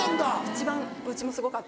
一番うちもすごかったのが。